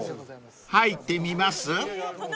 ［入ってみます？］